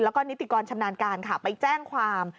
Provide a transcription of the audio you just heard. แล้วก็นิติกรชำนาญการค่ะไปแจ้งความ